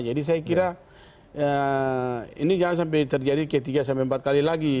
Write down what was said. jadi saya kira ini jangan sampai terjadi ketiga sampai empat kali lagi